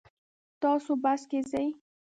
تاسو بس کې ځئ؟